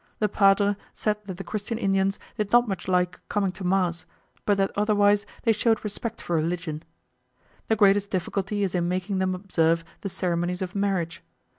The padre said that the Christian Indians did not much like coming to mass, but that otherwise they showed respect for religion. The greatest difficulty is in making them observe the ceremonies of marriage.